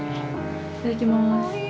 いただきます。